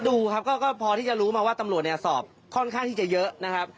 ดูครับก็พอที่จะรู้มาว่าตำรวจเนี่ยสอบค่อนข้างที่จะเยอะนะครับ